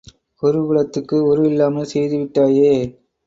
குருகுலத்துக்கு உரு இல்லாமல் செய்து விட்டாயே!